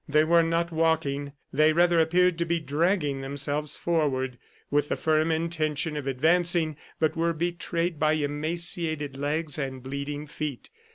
They were not walking, they rather appeared to be dragging themselves forward, with the firm intention of advancing, but were betrayed by emaciated legs and bleeding feet.